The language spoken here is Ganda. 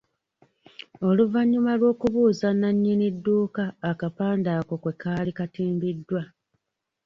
Oluvannyuma lw’okubuuza nannyini dduuka akapande ako kwe kaali katimbiddwa.